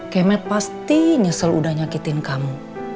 kemet pasti nyesel udah nyakitin kamu